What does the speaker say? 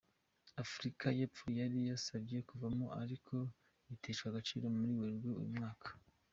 Afurika y’Epfo yari yasabye kuvamo ariko biteshwa agaciro muri Werurwe uyu mwaka.